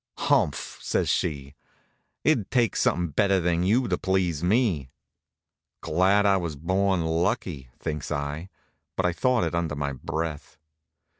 "Humph!" says she. "It'd take somethin' better than you to please me." "Glad I was born lucky," thinks I, but I thought it under my breath.